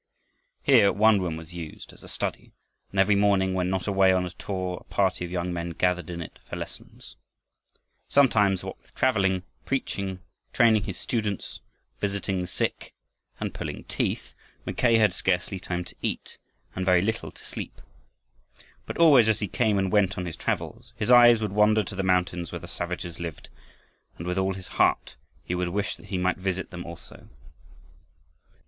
Here one room was used as a study and every morning when not away on a tour a party of young men gathered in it for lessons. Sometimes, what with traveling, preaching, training his students, visiting the sick, and pulling teeth, Mackay had scarcely time to eat, and very little to sleep. But always as he came and went on his travels, his eyes would wander to the mountains where the savages lived, and with all his heart he would wish that he might visit them also.